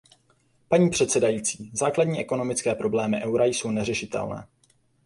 Paní předsedající, základní ekonomické problémy eura jsou neřešitelné.